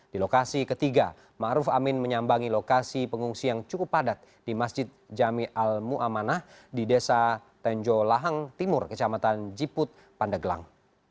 di lokasi ketiga maruf amin menyambangi lokasi pengungsi yang cukup padat di masjid jami'al mu'amanah di desa tenjolahang timur kecamatan jiput pandeglang